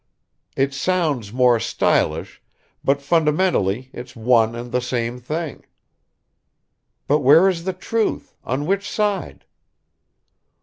It sounds more stylish, but fundamentally it's one and the same thing!" "But where is the truth on which side?"